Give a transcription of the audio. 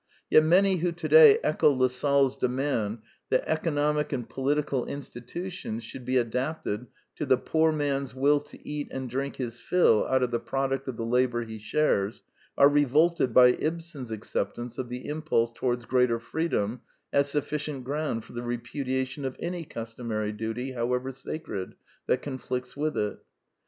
Yet many who today echo Lassalle*s demand that economic and political institutions should be adapted to the poor man's will to eat and drink his fill out of the product of the labor he shares, are revolted by Ibsen's acceptance of the impulse towards greater freedom as sufficient ground for the repudiation of any customary duty, however sacred, that conflicts with it.